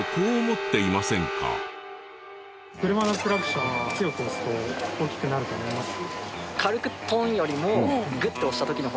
車のクラクションを強く押すと大きくなると思います？